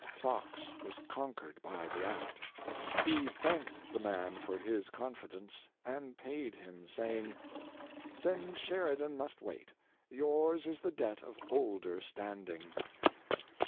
Fox was conquered by the act; he thanked the man for his confidence, and paid him, saying, " then Sheridan must wait; yours is the debt of older standing."